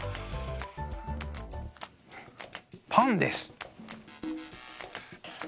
パンです。